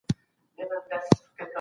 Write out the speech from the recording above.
د هغه سترګې په غورځېدلي سګرټ کې پاتې وې.